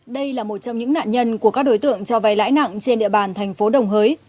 đây là một trong những nạn nhân của các đối tượng cho vay lãi nặng trên địa bàn thành phố đồng hới